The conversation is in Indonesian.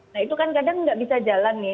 nah itu kan kadang nggak bisa jalan nih